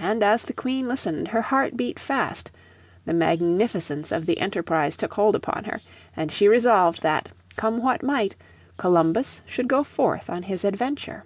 And as the Queen listened her heart beat fast; the magnificence of the enterprise took hold upon her, and she resolved that, come what might, Columbus should go forth on his adventure.